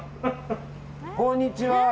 こんにちは！